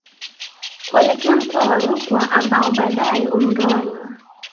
Kuelekea mkoa wa Rukwa ambao baadae umegawanywa